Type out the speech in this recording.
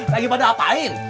lagi pada apain